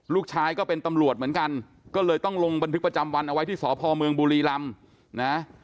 ก็เป็นตำรวจเหมือนกันก็เลยต้องลงบันทึกประจำวันเอาไว้ที่สพเมืองบุรีรำนะ